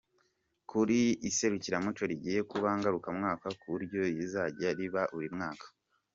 com ko iri serukiramuco rigiye kuba ngarukamwaka ku buryo rizajya riba buri mwaka.